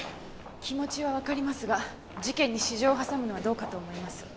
気持ちはわかりますが事件に私情を挟むのはどうかと思います。